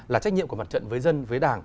là trách nhiệm của mặt trận với dân với đảng